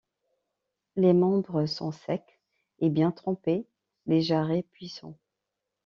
Les membres sont secs et bien trempés, les jarrets puissants.